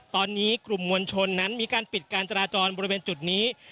ตอนนี้กลุ่มมวลชนนั้นมีการปิดการจราจรบริเวณจุดนี้